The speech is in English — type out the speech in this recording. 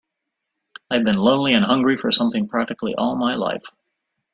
I've been lonely and hungry for something practically all my life.